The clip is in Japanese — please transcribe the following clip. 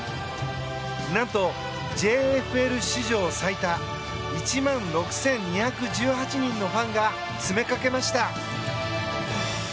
何と、ＪＦＬ史上最多１万６２１８人のファンが詰めかけました。